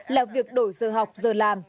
là việc đổi giờ học giờ làm